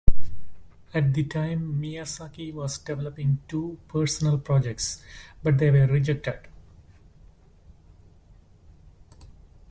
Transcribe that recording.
At the time, Miyazaki was developing two personal projects, but they were rejected.